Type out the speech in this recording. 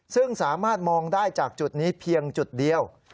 ซึ่งสามารถมองได้จากจุดนี้เพียงจุดเดียว